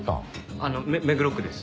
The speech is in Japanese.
あの目黒区です。